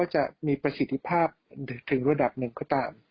จะมีประสิทธิภาพถึงระดับหนึ่งก็ตาม